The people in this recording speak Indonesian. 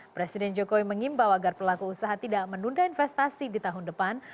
presiden jokowi mengimbau agar pelaku usaha tidak menunda investasi di tahun depan